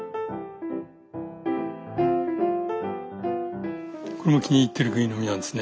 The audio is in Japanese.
これも気に入ってるぐい飲みなんですね。